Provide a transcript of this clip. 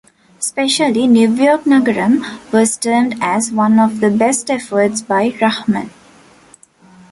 Especially, "New York Nagaram" was termed as one of the best efforts by Rahman.